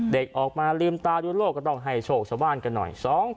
เด็กออกมาลืมตาดูโลกก็ต้องให้โชคชาวบ้านกันหน่อย